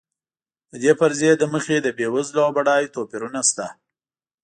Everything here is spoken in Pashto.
د دې فرضیې له مخې د بېوزلو او بډایو توپیرونه شته.